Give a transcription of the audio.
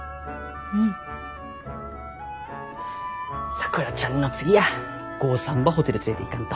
さくらちゃんの次や豪さんばホテル連れていかんと。